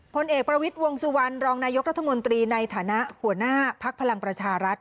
พลเอกประวิทย์วงสุวรรณรองนายกรัฐมนตรีในฐานะหัวหน้าภักดิ์พลังประชารัฐ